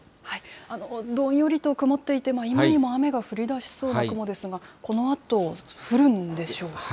どんよりと曇っていて、今にも雨が降りだしそうな雲ですが、このあと、降るんでしょうか。